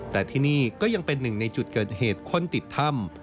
แต่ที่นี่ก็ยังเป็นหนึ่งในจุดเกิดเหตุคนติดถ้ำ